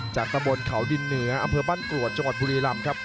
ตะบนเขาดินเหนืออำเภอบ้านกรวดจังหวัดบุรีรำครับ